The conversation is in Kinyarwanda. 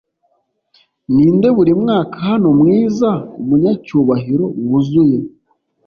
Ninde buri mwaka hano mwiza umunyacyubahiro wuzuye